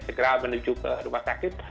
segera menuju ke rumah sakit